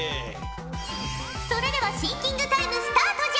それではシンキングタイムスタートじゃ。